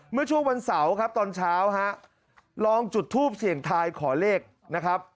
เมื่อช่วงวันเสาร์ครับตอนเช้าฮะลองจุดทูปเสี่ยงทายขอเลขนะครับ